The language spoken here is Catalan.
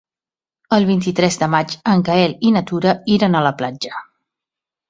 El vint-i-tres de maig en Gaël i na Tura iran a la platja.